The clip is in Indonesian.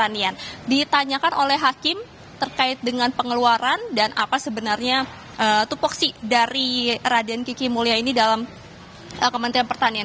ini ditanyakan oleh hakim terkait dengan pengeluaran dan apa sebenarnya tupoksi dari raden kiki mulya ini dalam kementerian pertanian